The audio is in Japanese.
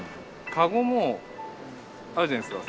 カゴもあるじゃないですか。